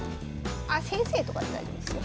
あ「先生」とかで大丈夫ですよ。